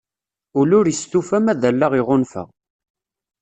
Ul ur yestufa ma d allaɣ iɣunfa.